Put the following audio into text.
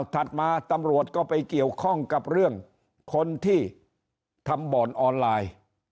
มาตำรวจก็ไปเกี่ยวข้องกับเรื่องคนที่ทำบ่อนออนไลน์